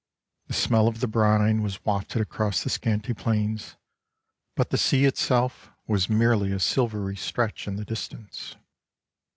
The smell of the brine was wafted across the scanty plains, but the sea itself was merely a silvery stretch in the distance.